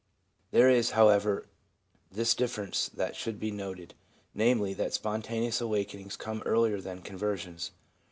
There is, however, this difference that should be noted, namely, that spontaneous awakenings come earlier than conversions.